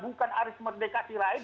bukan aris merdeka sirait